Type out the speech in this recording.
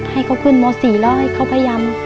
ให้เขาขึ้นม๔แล้วให้เขาพยายาม